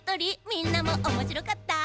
みんなもおもしろかった？